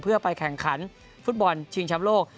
เพื่อไปแข่งขันฟุตบอลชิงช้ำโลก